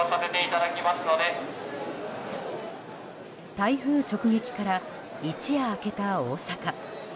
台風直撃から一夜明けた大阪。